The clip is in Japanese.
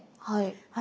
はい。